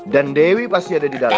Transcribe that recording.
dan dewi pasti ada di dalam